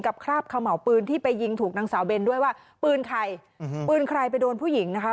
คราบเขม่าปืนที่ไปยิงถูกนางสาวเบนด้วยว่าปืนใครปืนใครไปโดนผู้หญิงนะคะ